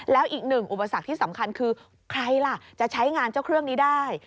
แล้วอีกหนึ่งอุปสรรคที่สำคัญคือใครล่ะจะใช้งานเจ้าเครื่องนี้ได้